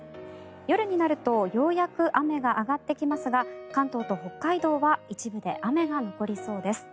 夜になるとようやく雨が上がってきますが関東と北海道では一部で雨が残りそうです。